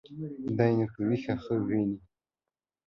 دى نو په ويښه خوب ويني.